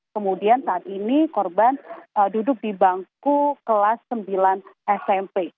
kemudian saat ini korban duduk di bangku kelas sembilan smp